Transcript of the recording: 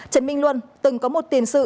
trần minh luân từng có một tiền sự